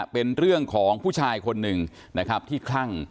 เป็นเรื่องของผู้ชายคนหนึ่งนะครับที่คลั่ง